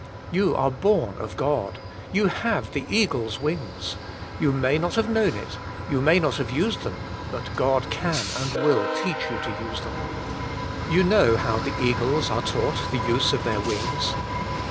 You are born of God. You have the eagles' wings. You may not liave known it : you may not have used them ; but God can and will teach you to use them. You know bow the eagles are taught the use of their wings.